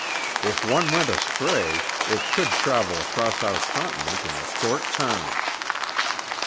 If one went astray, it could travel across our continent in a short time."